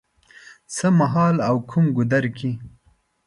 څه مهال او کوم ګودر کې